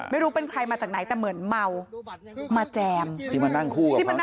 ไม่รู้เป็นใครมาจากไหนแต่เหมือนเมามาแจมที่มานั่งคู่กับมัน